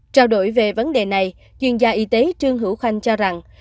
trao đổi về vấn đề này chuyên gia y tế trương hữu khanh cho rằng